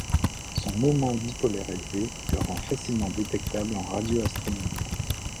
Son moment dipolaire élevé le rend facilement détectable en radioastronomie.